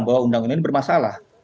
bahwa undang undang ini bermasalah